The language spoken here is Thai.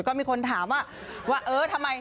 ก็มีคนถามว่าว่าเออทำไม